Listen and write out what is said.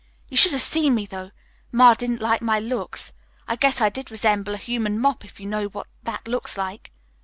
You should have seen me, though. Ma didn't like my looks. I guess I did resemble a human mop if you know what that looks like."